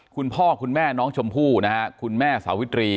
คุณพ่อคุณแม่น้องชมพู่นะฮะคุณแม่สาวิตรี